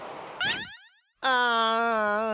ああ。